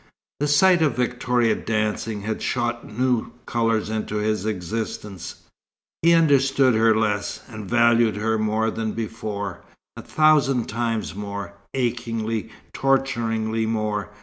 The sight of Victoria dancing, had shot new colours into his existence. He understood her less, and valued her more than before, a thousand times more, achingly, torturingly more.